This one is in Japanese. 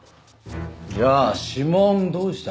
じゃあ指紋どうした？